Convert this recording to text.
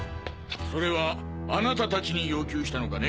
それはあなた達に要求したのかね？